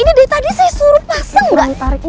ini dari tadi saya suruh pasang